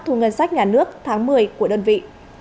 thu ngân sách nhà nước tháng một mươi của đơn vị